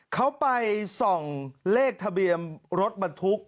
เขาไปส่องเลขทะเบียนรถบรรทุก